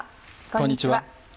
こんにちは。